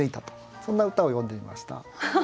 そんな歌を詠んでみました。